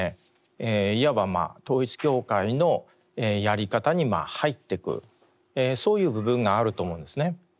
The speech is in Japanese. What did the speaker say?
いわば統一教会のやり方に入っていくそういう部分があると思うんですね。